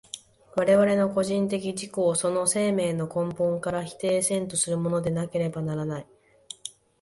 我々の個人的自己をその生命の根底から否定せんとするものでなければならない。